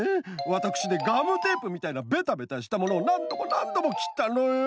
わたくしでガムテープみたいなベタベタしたものをなんどもなんどもきったのよ！